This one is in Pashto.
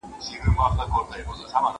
پدې سورت کي د مرغانو بحث سته.